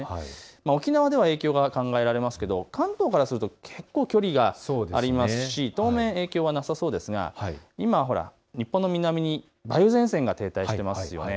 沖縄では影響が考えられますけれども、関東からすると結構距離がありますし当面、影響はなさそうですが日本の南に梅雨前線が停滞していますよね。